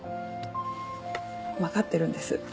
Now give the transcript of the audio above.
わかってるんです。